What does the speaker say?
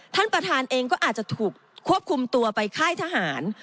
ท่านประธานเองก็อาจจะถูกควบคุมตัวไปค่ายทหาร